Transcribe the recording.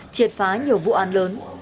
triệt phá nhiều vụ an lớn